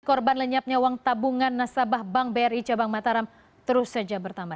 korban lenyapnya uang tabungan nasabah bank bri cabang mataram terus saja bertambah